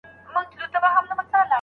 د موسیقۍ غږ روح تازه کوي.